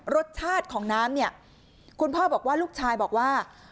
รสชาติของน้ำเนี่ยคุณพ่อบอกว่าลูกชายบอกว่า